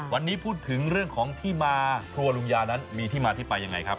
วันนี้พูดถึงเรื่องของที่มาครัวลุงยานั้นมีที่มาที่ไปยังไงครับ